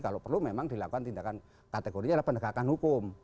kalau perlu memang dilakukan tindakan kategorinya adalah penegakan hukum